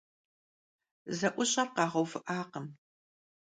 Ze'uş'er khağeuvı'akhım.